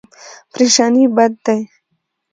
پریشاني بد دی.